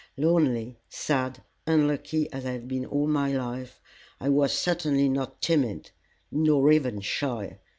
Lonely, sad, unlucky as I had been all my life, I was certainly not timid, nor even shy.